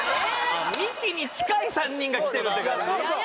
あミキに近い３人が来てるって感じ？